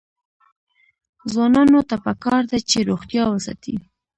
ځوانانو ته پکار ده چې، روغتیا وساتي.